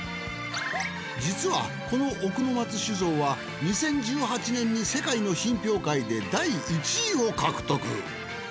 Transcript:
実はこの奥の松酒造は２０１８年に世界の品評会で第１位を獲得。